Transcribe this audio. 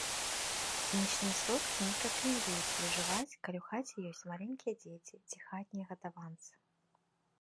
Хімічныя сродкі не рэкамендуецца ўжываць, калі ў хаце ёсць маленькія дзеці ці хатнія гадаванцы.